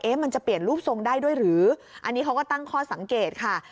มันจะเปลี่ยนรูปทรงได้ด้วยหรืออันนี้เขาก็ตั้งข้อสังเกตค่ะ